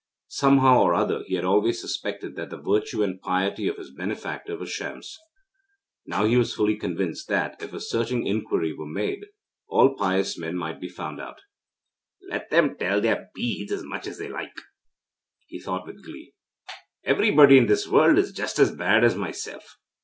Somehow or other he had always suspected that the virtue and piety of his benefactor were shams. Now he was fully convinced that, if a searching inquiry were made, all 'pious' men might be found out. 'Let them tell their beads as much as they like,' he thought with glee, 'everybody in this world is just as bad as myself.